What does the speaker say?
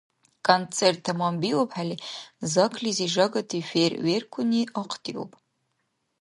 Концерт таманбиубхӀели, заклизи жагати фейерверкуни ахъдиуб.